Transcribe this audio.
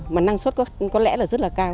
mà năng suất có lẽ là rất là cao